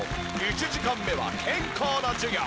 １時間目は健康の授業。